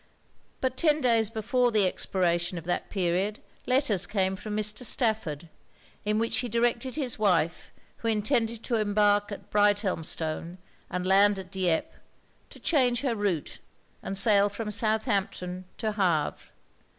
But ten days before the expiration of that period, letters came from Mr. Stafford, in which he directed his wife, who intended to embark at Brighthelmstone and land at Dieppe, to change her route, and sail from Southampton to Havre.